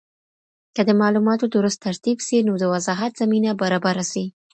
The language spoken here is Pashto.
که د معلوماتو درست ترتیب سی، نو د وضاحت زمینه برابره سي.